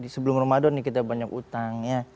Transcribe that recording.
sebelum ramadhan kita banyak utang